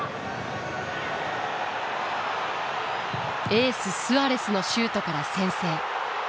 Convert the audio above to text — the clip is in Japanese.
エーススアレスのシュートから先制。